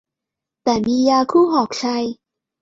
แต่มียาคู่หอกชัย